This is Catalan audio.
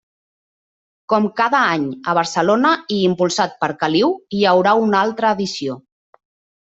Com cada any a Barcelona i impulsat per Caliu, hi haurà una altra edició.